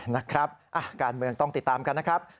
นะครับการเมืองต้องติดตามกันนะครับ